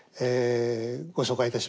ご紹介いたします。